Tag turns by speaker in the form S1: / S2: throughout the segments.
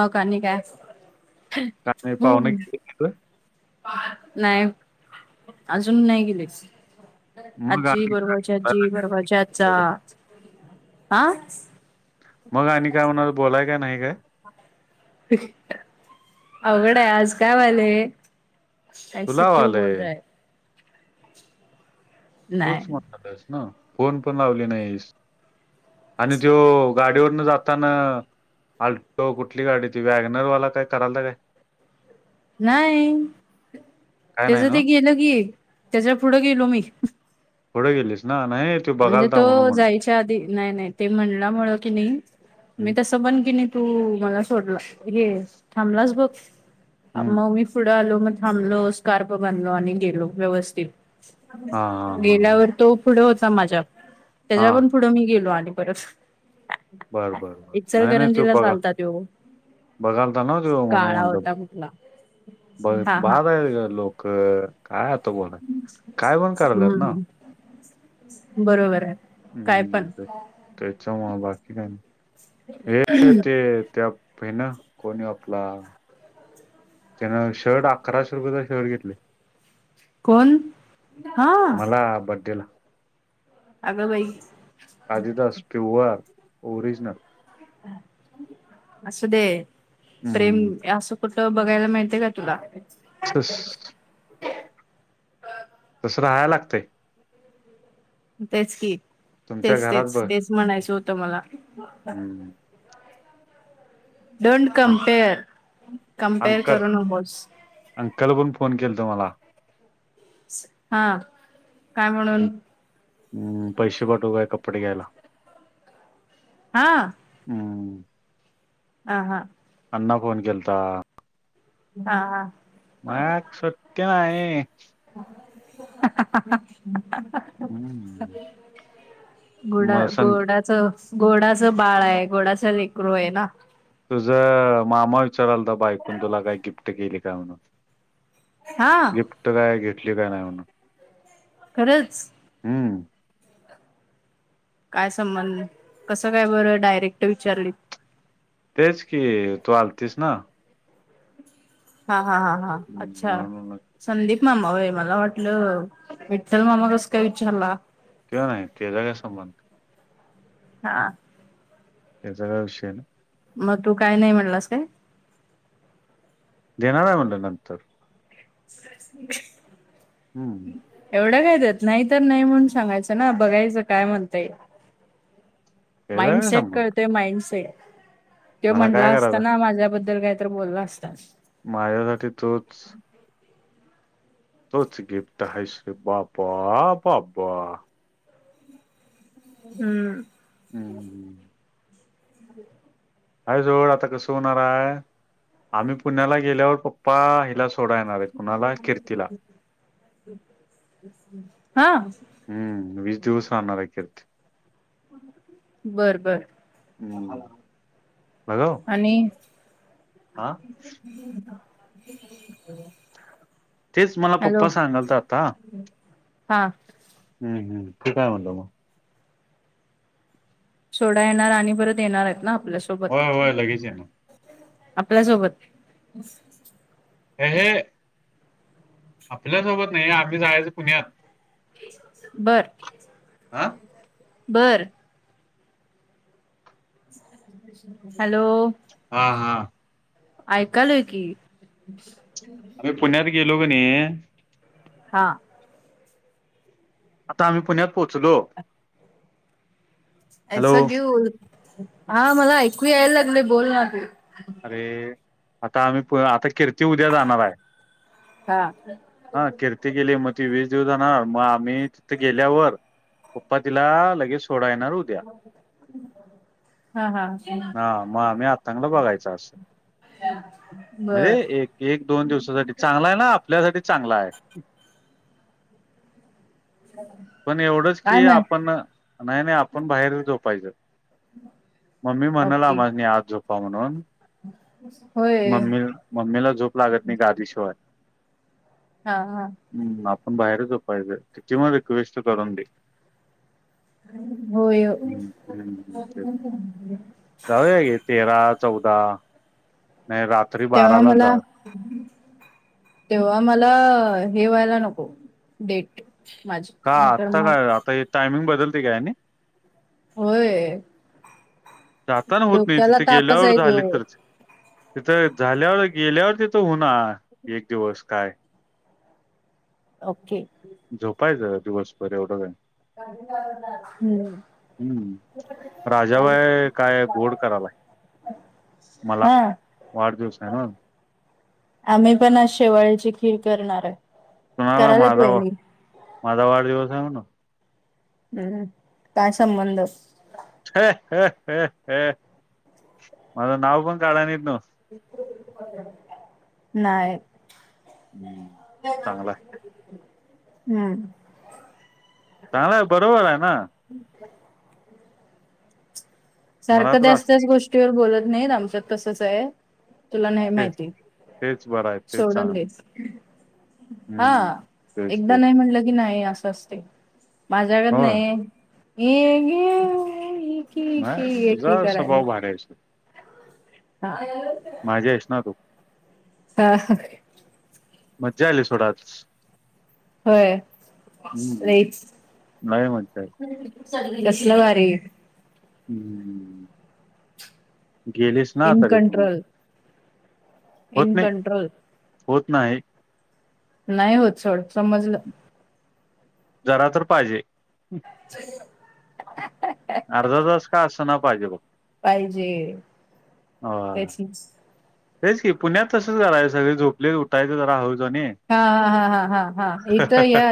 S1: मकनिक है
S2: काय नाही पाहुणे
S1: हम्म
S2: गेले तिथं.
S1: नाहीय अजून नाही गेलेस.
S2: मग
S1: आजी
S2: आणि
S1: बरोबरची
S2: काय
S1: आजी बरोबरची
S2: म्हणता
S1: आजचाा
S2: का?
S1: हा
S2: मग आणि काय म्हणा बोलाय काय नाही काय?
S1: अवघडय आज काय वालेय. ऐस
S2: तुला
S1: क्यू बोल
S2: आलंय.
S1: रहाय.
S2: तूच
S1: नाही
S2: म्हणालास ना फोन पण लावली नाहीस. आणि तो गाडीवरन जाताना. आल्टो कुठली गाडी ती वॅगनरवाला काय करायल काय?
S1: नाही
S2: काय नाही
S1: त्याचं ते
S2: ना?
S1: गेलं की त्याच्या पुढं गेलो मी
S2: थोडं गेलीस ना नाही.
S1: म्हणजे
S2: बघालता
S1: तो
S2: म्हणून म्हटलं.
S1: जायच्या आधी नाही नाही ते म्हणलामुळ की नाही मी
S2: हं,
S1: तस. मण कीने तू मला सोडला हे थांबलास बघ
S2: हं.
S1: मग मी पुढं आलो मग थांबलो स्कार्प बनलो आणि गेलो व्यवस्थित.
S2: हां, हां, हां, हां.
S1: गेल्यावर तो पुढे होता माझ्या त्याच्या
S2: हां.
S1: पण पुढं मी गेलो आणि परत
S2: बरं बर बर नाही नाही तू
S1: इचलकरंजीला
S2: बघा.
S1: चालता त्यो
S2: बघालता नवत
S1: काळा
S2: म्हणुमंडप
S1: होता कुठला
S2: बघ
S1: हा
S2: [unintelligible]
S1: हा
S2: बाार आहे लोक काय आता बोलाय काय पण करायलात ना.
S1: हम्म बरोबर आहे. काय पण
S2: हम्म त्याच्या बाकी नाही हे ते. ना [unintelligible] कोणी आपला. त्यानं शर्ट अकराशे रुपयाेचं शर्ट घेतले.
S1: कोण हा
S2: मला बिर्थडे ला
S1: अगं बाई.
S2: आदी दास प्युअर ओरिजनल.
S1: असं दे प्रेम
S2: हम्म
S1: असं. त बघायला माहितीयं का. तुला
S2: सस [inaudible] तसं राहायला लागते.
S1: तेच कि
S2: तुमच्या घरात बघ
S1: तेचं म्हणायचं होतं मला.
S2: हम्म
S1: don't
S2: um
S1: compare compare
S2: uncle
S1: करूनकोस.
S2: अंकल हुन फोन केलतयं मला
S1: हा काय म्हणून.
S2: हम्म पैसे पाठवू काय कपडे घ्यायला.
S1: हा.
S2: हम्म
S1: ह. हा.
S2: अण्णा फोन केलता.
S1: हा, हा,
S2: माय एक सत्य नाही. हम्म मग सं
S1: गोडाचं बाळ आहे गोडाचं लेकरू आहे ना.
S2: तुझ मामा विचारायला बायकोने तुला काही गिफ्ट केली काय म्हणून.
S1: हा
S2: गिफ्ट काय घेतली काय नाही म्हणून.
S1: खरंचं.
S2: हू
S1: काय संबंध कसं काय बरं डायरेक्ट विचारली.
S2: तेच की तू आलतीस ना.
S1: हा हा ह
S2: हम्म,
S1: अच्छा,
S2: म्हणून म्हणलं
S1: संदीप मामा हय मला वाटलं विठ्ठल मामा कसं काय विचारला.
S2: काय त्याचा काय संबंध.
S1: हा,
S2: त्या काय विषयनं
S1: मग तू काय नाही म्हणलासं काय
S2: देणार आहे म्हणलं नंतर हम्म,
S1: एवढं काय काय यात नाही तर नाही म्हणून सांगायचं ना बघायचं काय म्हणते.
S2: त्याचा काय
S1: माईनसेट
S2: संबंध
S1: कळतोय माईनसेट तो
S2: मला
S1: म्हणला
S2: काय करायचं
S1: असताना माझ्याबद्दल काय. तर बोलला असतात.
S2: माझ्यासाठी तोच. तोच गिफ्ट हास रे बाबा बाबा
S1: हम्म,
S2: हु. आई जवळ आता कसं होणार आहे आम्ही पुण्याला गेल्यावर पप्पा हिला थोडं येणार आहे, कोणाला कीर्ती ला
S1: हा
S2: हम्म, वीस दिवस राहणार ए किर्ती
S1: [inaudible] बरं बर
S2: बघा हो,
S1: आणि
S2: हा
S1: [inaudible]
S2: तेच मला
S1: हॅलो
S2: पप्पा सांगालत आता,
S1: हा
S2: हम् हम् काय म्हणतात मग
S1: सोडायला येणार आणि परत येणार आहेत ना
S2: होय
S1: आपल्यासोबत
S2: होय लगेच येणार.
S1: आपल्यासोबत
S2: हे हे, आपल्या सोबत नाही, आम्ही जायच पुण्यात
S1: बरं
S2: आ
S1: बर. हॅलो.
S2: हा हा.
S1: ऐकायलो की
S2: आम्ही पुण्यात गेलो की नि
S1: हा.
S2: आता आम्ही पुण्यात पोहोचलो हॅलो
S1: [unintelligible] हा मला ऐकू यायला लागलय बोल ना
S2: अरे आता आम्ही पू, आता कीर्ती उद्या जाणार आहे
S1: हा.
S2: तिथे गेली मग ती वीस दिवस जाणार, मग आम्ही तिथे गेल्यावर पप्पा तिला लगेच सोडा येणार उद्या,
S1: हा हा
S2: हा मग आम्ही आज चांगला बघायचो [unintelligible] म्हणजे
S1: बर
S2: एक एक दोन दिवसासाठी, चांगल आहे ना आपल्यासाठी चांगला आहे पण एवढंच
S1: काय
S2: की
S1: माय
S2: आपण, नाय नाय आपण बाहेर झोपायच मम्मी म्हणला
S1: ओके
S2: आम्हासनी आत झोपा म्हणून
S1: [inaudible]
S2: मम्मी, मम्मीला झोप लागत नाही गादी शिवाय.
S1: हा हा
S2: हम्म, आपण बाहेरच झोपायच, त्याचमुळे रिक्वेस्ट करून दे
S1: होय.
S2: हम्म हम्म, तेच. जाऊया की तेरा चौदा, नाय रात
S1: तेव्हा मला तेव्हा मला हे व्हायला नको, डेट माझी
S2: का
S1: नाहीतर
S2: आत्ता
S1: मग
S2: काय आता हे टायमिंग बदलते काय यानी?
S1: होय.
S2: जाताना होत नाही
S1: डोक्याला
S2: तिथे
S1: तापच
S2: गेल्यावर
S1: आहे
S2: झाले
S1: त्यो
S2: तरच तिथ झाल्यावर, गेल्यावर तिथं होणार, एक दिवस काय
S1: ओके.
S2: झोपायचं दिवसभर एवढं काय. हम्म राजाबाय
S1: [inaudible]
S2: काय गोड करालाय, मला!
S1: हा
S2: वाढदिवस आहे ना.
S1: आम्ही पण आज शेवाळेची खीर करणार आहे.
S2: कोणाला
S1: करायलाच
S2: माझ वा
S1: वहिनी
S2: माझ वाढदिवस आहे म्हणून
S1: हम्म, काय संबंध?
S2: माझं नाव पण काढ नाहीत त्यो
S1: नाय
S2: चांगला आहे
S1: हम्म.
S2: चांगलंय, बरोबर आहे ना
S1: [inaudible]
S2: मला
S1: सारखं त्याच
S2: त्रास
S1: त्याच गोष्टीवर बोलत नाहीत आमच्यात तसंच आहे तुला नाही
S2: तेच
S1: माहिती
S2: तेच बरं आहे तेच
S1: सोडून
S2: चांगलं
S1: दे हा
S2: हम्म तेच
S1: एकदा
S2: तेच
S1: नाही म्हणलं की नाही असं असते. माझ्यागत
S2: हो
S1: नाही ये एकी एकी करायच
S2: करायचं
S1: [inaudible]
S2: माझी आहेस ना तू
S1: हा.
S2: मज्जा आली सोड आज.
S1: होय
S2: हम्म
S1: लईच
S2: लय मज्जा आली
S1: कसलं भारी आहे.
S2: हम् गेणेश
S1: इन कंट्रोल.
S2: होत
S1: इन
S2: नाही
S1: कंट्रोल.
S2: होत नाही.
S1: नाही हो सड समजलं.
S2: जरा तर पाहिजे.
S1: [unintelligible]
S2: अर्धा दिस काय असतं ना पाहिजे बघ.
S1: पाहिजे
S2: अ
S1: त्याची
S2: तेच की पुण्यात तसंच करायं सगळे झोपले उठायचं जरा हहू जाणी
S1: हा हा हा हा हा हा इथ या.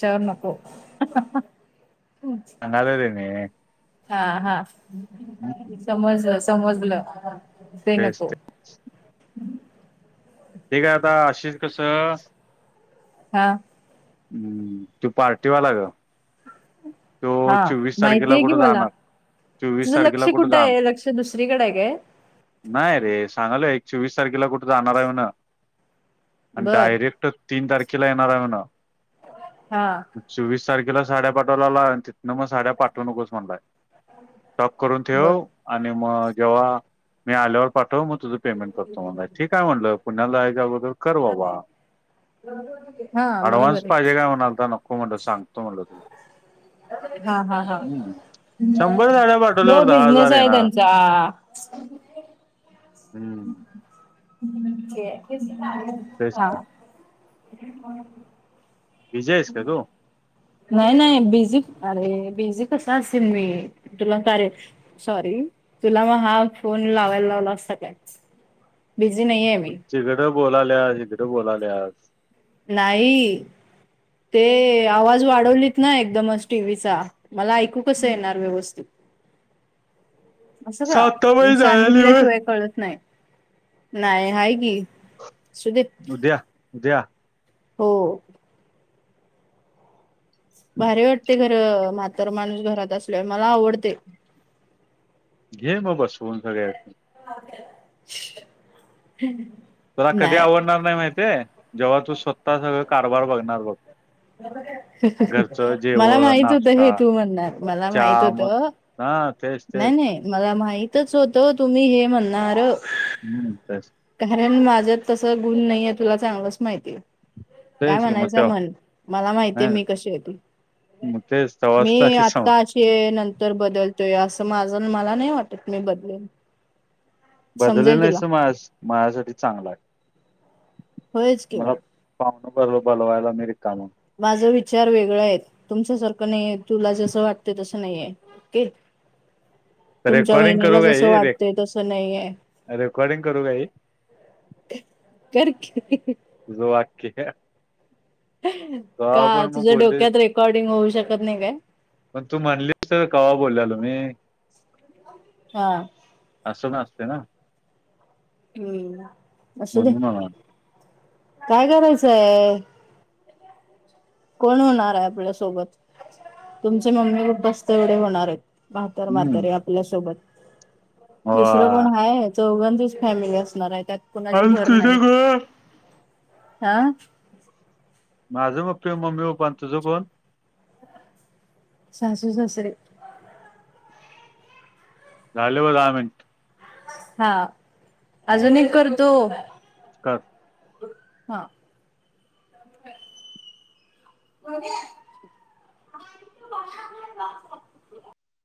S1: चर नको.
S2: न देने.
S1: हा हा
S2: हम्म
S1: समज समजलं ते नको.
S2: ते काय आता अशीष कसं.
S1: हा.
S2: हम्म तू पार्टीवाला ग. तो
S1: हा
S2: चोवीस तारखेला
S1: माहितीय की
S2: कुठे
S1: बला.
S2: जाणार चोवीस
S1: तुझं
S2: तारखेला
S1: लक्ष कुठे
S2: जाणार
S1: आहे लक्ष दुसरीकडे काय?
S2: नाही रे सांगाल एक चोवीस तारखेला कुठे जाणार आहे ना आणि
S1: बर
S2: डायरेक्ट तीन तारखेला येणारा आहेण.
S1: हा.
S2: चोवीस तारखेला साड्या पाठवला आला तिथनं मग साड्या पाठवू नकोस म्हणला. टॉप करून
S1: बर
S2: ठेव आणि मग जेव्हा मी आल्यावर पाठव मग तुझ? पेमेंट करतो मला ठीकय म्हंटलं पुण्याला जायच्याबगदर करवा बा.
S1: हा.
S2: डव्ह्स
S1: बरोबर
S2: पाहिजे का
S1: आहे
S2: म्हणालता नको म्हटलं सांगतो म्हटलं तुला?
S1: हा हा.
S2: हम्म शंभर साड्या
S1: तो
S2: पाठवल्यावर दहा हजार
S1: बिझनेस आहे
S2: येणार
S1: त्यांचा
S2: हम्म. तेच
S1: ह.
S2: विजयेस का तू
S1: नाही नाही बिझी अरे बिझी कस असे मी तुला कारे सॉरी तुला मग हा फोन लावायला लावला असता का बिझी नाही आहे मी
S2: तकडं बोलाल्या इकडें बोलाल्या.
S1: नाही. ते आवाज वाढवलीत ना एकदमच टीव्हीचा मला ऐकू कस येणार व्यवस्थित असं का
S2: साताबाई जायली व्हय
S1: सांगितल्याशिय कळत नाही. नाही आहेा की सुदीप
S2: उद्या उद्या.
S1: हो. भारी वाटतंय घर म्हातारा माणूस घरात असल्यावर मला आवडतंय.
S2: घे म बसवून सगळ्यासनी.
S1: [inaudible]
S2: तुला कधी आवडणार नाही माहितीये जेव्हा तू स्वतः सगळं कारभार बघणार बघ. घरचं
S1: मला
S2: जेवण
S1: माहित होत हे
S2: नाश्ता
S1: तू म्हणणार, मला माहित होत.
S2: हां ते.
S1: नाही नाही मला माहितच होत तुम्ही हे म्हणणार.
S2: हम्म. [inaudible]
S1: कारण माझ तसं गुण नाहीये तुला चांगलंच माहितीये. काय
S2: तेच कि मग
S1: म्हणायचंय
S2: तेव्हा
S1: म्हन मला माहितीये
S2: ह
S1: मी कशी आहे ती
S2: मग तेच तेव्हाच
S1: मी
S2: लागते सांग
S1: आता ते नंतर बदलतोय असं माझं, मला नाही वाटत मी बदलेल.
S2: बदली नाहीस तर माझ माझ्यासाठी चांगला आहे.
S1: होयच की.
S2: मला पाहुणं [unintelligible] बोल बोलवायला मी रिकामा.
S1: माझा विचार वेगळा आहेत, तुमच्यासारखं नाहीयेत, तुला जसं वाटत तसं नाहीये. [unintelligible] तुमच्या
S2: रेकॉर्डिंग
S1: वहिनीला
S2: करू का
S1: जसं
S2: हे रे
S1: वाटतंय तसं नाहीये.
S2: रेकॉर्डिंग करू का हे
S1: कर की
S2: तुझं वाक्य का?
S1: का,
S2: मग
S1: तुझ्या
S2: बोलले
S1: डोक्यात रेकॉर्डिंग होऊ शकत नाही काय?
S2: पण तू म्हणलीस कवा बोलल्यालो मी.
S1: हां.
S2: असच असते ना?
S1: हम्म, असू दे,
S2: म्हणून म्हणा
S1: काय करायचंय. कोण होणार आहे आपल्यासोबत तुमचे मम्मी पप्पाच तेवढे होणार आहेत. म्हातर म्हातारी
S2: हम्म
S1: आपल्यासोबत दुसरं कोण
S2: वा.
S1: आहे चौघांचीच फॅमिली असणार आहे त्यात
S2: [unintelligible] तुझ ग.
S1: हां.
S2: माझं बघतोय मम्मी पप्पा अन् तुझं कोण?
S1: सासू सासरे.
S2: झाले ब दहा मिनिट.
S1: हा
S2: हम्म,
S1: अजून एक करतो.
S2: कर.
S1: हां. सोन्या [inaudible]